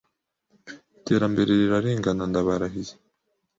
Iterambere rirarengana ndabarahiye